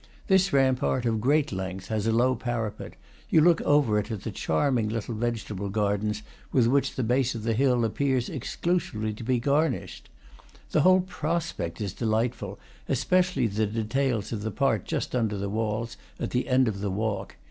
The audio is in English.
This rampart, of great length, has a low parapet; you look over it at the charming little vegetable gardens with which the base of the hill appears exclusively to be garnished. The whole prospect is delightful, especially the details of the part just under the walls, at the end of the walk.